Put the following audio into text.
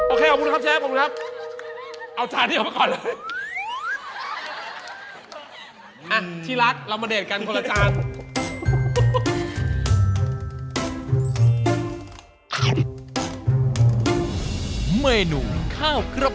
โอเคขอบคุณครับเชฟขอบคุณครับ